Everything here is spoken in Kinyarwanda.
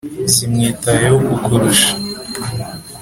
zimwitayeho kukurusha